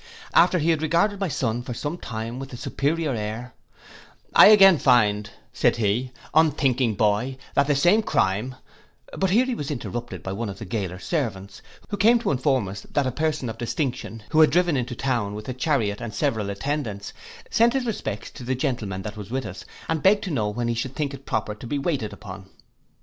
After he had regarded my son for some time with a superior air, 'I again find,' said he, 'unthinking boy, that the same crime—' But here he was interrupted by one of the gaoler's servants, who came to inform us that a person of distinction, who had driven into town with a chariot and several attendants, sent his respects to the gentleman that was with us, and begged to know when he should think proper to be waited upon.